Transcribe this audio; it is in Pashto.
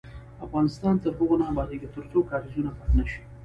افغانستان تر هغو نه ابادیږي، ترڅو کاریزونه پاک نشي.